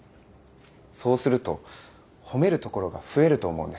そうすると褒めるところが増えると思うんです。